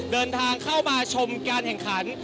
เดินทางเข้ามาชมการแข่งขัน